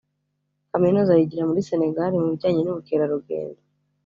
kaminuza ayigira muri Senegal mu bijyanye n’ubukerarugendo